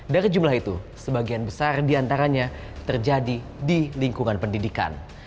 dari jumlah itu sebagian besar diantaranya terjadi di lingkungan pendidikan